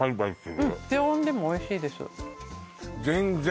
うん低温でもおいしいです